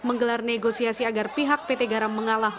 menggelar negosiasi agar pihak pt garam mengalah